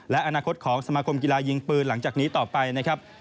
และอนาคตของสมาคมกีฬายิงปืนหลังจากนี้ต่อไปนะครับ